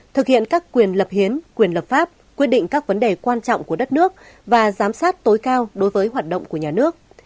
thực hiện các quyền lập hiến quyền lập pháp quyết định các vấn đề quan trọng của đất nước và giám sát tối cao đối với hoạt động của nhà nước